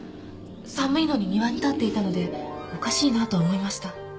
寒いのに庭に立っていたのでおかしいなとは思いました。